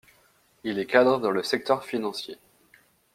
Il est cadre dans le secteur financier.